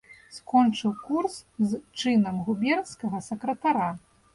Скончыў курс з чынам губернскага сакратара.